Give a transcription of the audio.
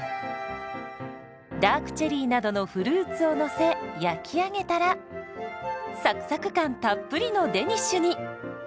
ダークチェリーなどのフルーツをのせ焼き上げたらサクサク感たっぷりのデニッシュに。